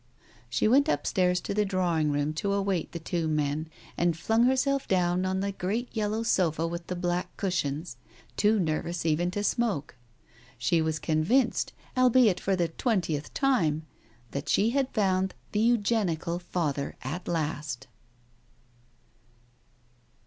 She went upstairs to the drawing room to await the two men, and flung herself down on the great yellow sofa with the black cushions, too nervous even to smoke. She was convinced, albeit for the twentieth time, that she had found the Eugenical father at last.